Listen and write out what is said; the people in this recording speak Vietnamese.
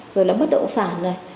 rồi là bất động sản này